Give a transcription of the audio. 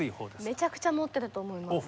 めちゃくちゃ持ってると思います。